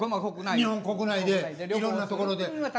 日本国内でいろんな所で。